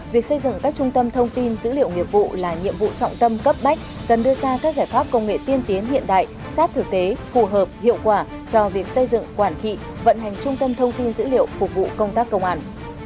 việc xây dựng các trung tâm thông tin dữ liệu nghiệp vụ là nhiệm vụ trọng tâm cấp bách cần đưa ra các giải pháp công nghệ tiên tiến hiện đại sát thực tế phù hợp hiệu quả cho việc xây dựng quản trị vận hành trung tâm thông tin dữ liệu phục vụ công tác công an